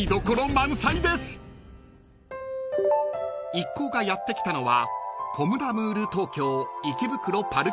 ［一行がやって来たのは］